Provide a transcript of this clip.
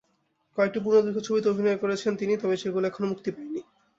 কয়েকটি পূর্ণদৈর্ঘ্য ছবিতে অভিনয় করেছেন তিনি, তবে সেগুলো এখনো মুক্তি পায়নি।